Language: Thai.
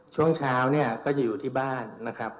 ช่วงเช้าถึงที่บ้านนะครับ